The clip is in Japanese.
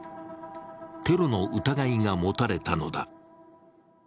テロの疑いが持たれたのだ。